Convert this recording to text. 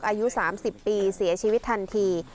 อายุ๓๐ปีเสียชีวิตทันที